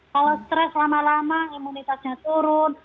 kalau stres lama lama imunitasnya turun